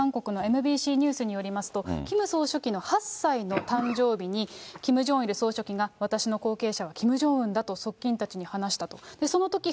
韓国のＭＢＣニュースによりますと、キム総書記の８歳の誕生日に、キム・ジョンイル総書記が私の後継者はキム・ジョンウンだと側近たちに話したと。